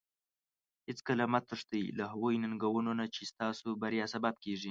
هیڅکله مه تښتي له هغو ننګونو نه چې ستاسو د بریا سبب کیږي.